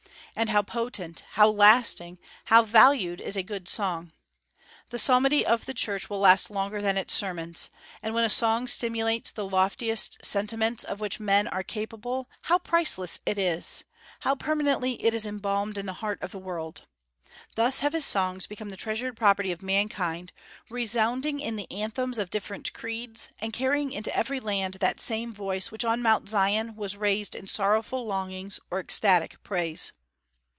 And how potent, how lasting, how valued is a good song! The psalmody of the Church will last longer than its sermons; and when a song stimulates the loftiest sentiments of which men are capable, how priceless it is, how permanently it is embalmed in the heart of the world! "Thus have his songs become the treasured property of mankind, resounding in the anthems of different creeds, and carrying into every land that same voice which on Mount Zion was raised in sorrowful longings or ecstatic praise."